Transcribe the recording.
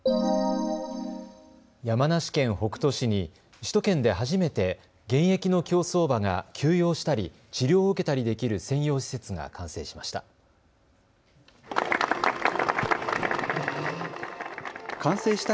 山梨県北杜市に首都圏で初めて現役の競走馬が休養したり治療を受けたりできる専用施設が完成しました。